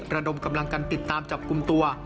ระดมกำลังกันติดตามจับกลุ่มตัว